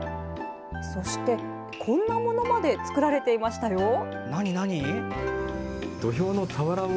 そして、こんなものまで作られていましたよ。